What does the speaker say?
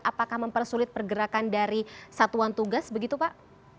apakah mempersulit pergerakan dari satuan tugas begitu pak